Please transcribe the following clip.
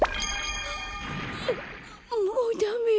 もうダメよ。